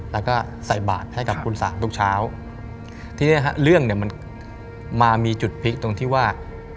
แล้วก็ใส่บาตรให้กับคุณสาทุกเช้าเรื่องมันมามีจุดพลิกตรงที่ว่า